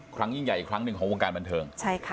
ครั้งยิ่งใหญ่อีกครั้งหนึ่งของวงการบันเทิง